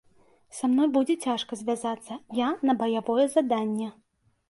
Са мной будзе цяжка звязацца, я на баявое заданне.